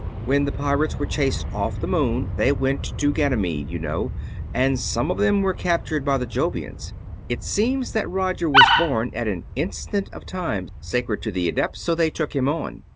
When the pirates were chased off the moon they went to Ganymede, you know, and some of them were captured by the Jovians. It seems that Roger was born at an instant of time sacred to the adepts, so they took him on.